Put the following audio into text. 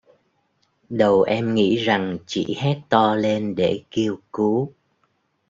Đầu em nghĩ rằng chỉ hét to lên để kêu cứu